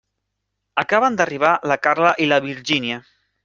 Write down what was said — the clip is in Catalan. Acaben d'arribar la Carla i la Virgínia.